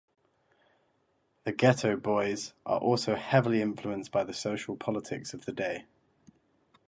The Geto Boys are also heavily influenced by the social politics of the day.